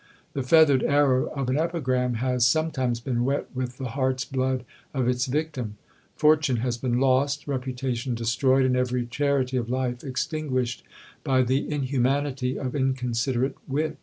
The feathered arrow of an epigram has sometimes been wet with the heart's blood of its victim. Fortune has been lost, reputation destroyed, and every charity of life extinguished, by the inhumanity of inconsiderate wit.